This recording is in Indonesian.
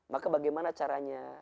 maka bagaimana caranya